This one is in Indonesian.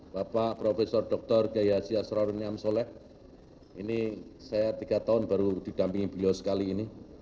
bapak profesor dr kiai haji asraruniam soleh ini saya tiga tahun baru didampingi beliau sekali ini